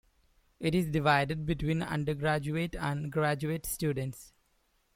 It is divided between undergraduate and graduate students.